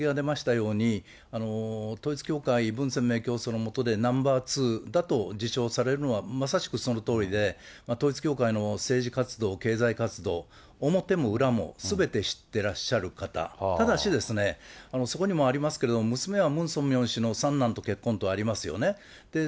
ですから、今、経歴が出ましたように、統一教会、文鮮明教祖の下でナンバー２だと自称されるのは、まさしくそのとおりで、統一教会の政治活動、経済活動、表も裏もすべて知ってらっしゃる方、ただし、そこにもありましたけれども、娘はムン・ソンミョン氏の三男と結婚とありますよね。